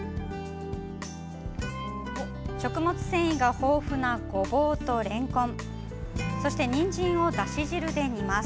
食物繊維が豊富なごぼうとれんこんそして、にんじんをだし汁で煮ます。